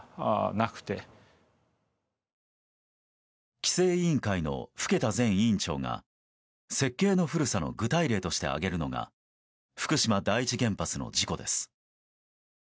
規制委員会の更田前委員長が設計の古さの具体例として挙げるのが福島第一原発の事故です。